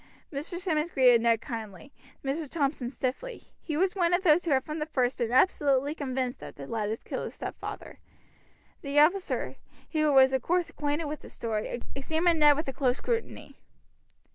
Mr. Simmonds greeted Ned kindly, Mr. Thompson stiffly. He was one of those who had from the first been absolutely convinced that the lad had killed his stepfather. The officer, who was of course acquainted with the story, examined Ned with a close scrutiny.